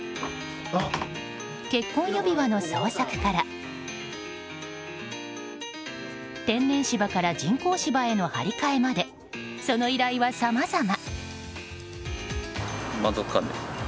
結婚指輪の捜索から天然芝から人工芝への張り替えまでその依頼はさまざま。